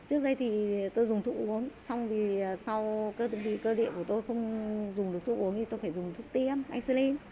trước đây thì tôi dùng thuốc uống xong thì sau cơ địa của tôi không dùng được thuốc uống thì tôi phải dùng thuốc tiêm insulin